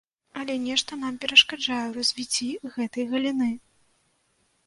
Але нешта нам перашкаджае ў развіцці гэтай галіны.